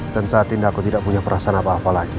dan saat ini aku tidak punya perasaan apa apa lagi pa